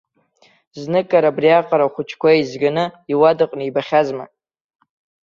Зныкыр абриаҟара ахәыҷқәа еизганы иуадаҟны ибахьазма.